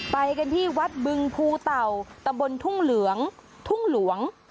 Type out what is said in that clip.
ไปกันที่วัดบึงภูเต่าตำบลทุ่งเหลืองทุ่งหลวง